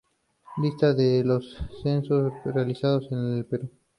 Lista de los censos realizados en el Perú.